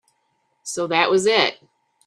So that was it.